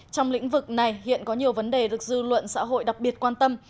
trong lĩnh vực này hiện có nhiều vấn đề được dư luận xã hội đặc biệt quan tâm